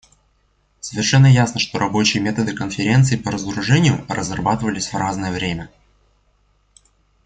Совершенно ясно, что рабочие методы Конференции по разоружению разрабатывались в разное время.